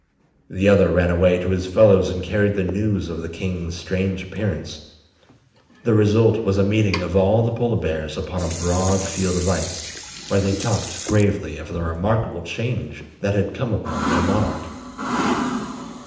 The other ran away to his fellows and carried the news of the king's strange appearance. The result was a meeting of all the polar bears upon a broad field of ice, where they talked gravely of the remarkable change that had come upon their monarch.